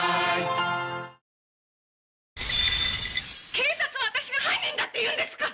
警察は私が犯人だって言うんですか！